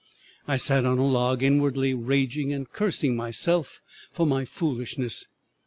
I sat on a log, inwardly raging and cursing myself for my foolishness.